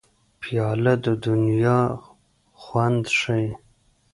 پیاله د دنیا خوند ښيي.